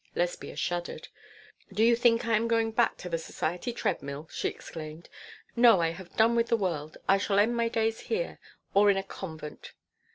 Lesbia shuddered. 'Do you think I am going back to the society treadmill?' she exclaimed. 'No, I have done with the world. I shall end my days here, or in a convent.'